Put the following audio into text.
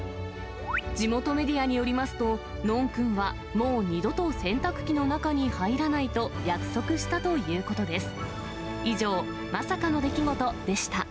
地元メディアによりますと、ノンくんはもう二度と洗濯機の中に入らないと、約束したということです。